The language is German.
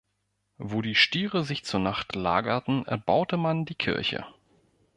Wo die Stiere sich zur Nacht lagerten, erbaute man die Kirche.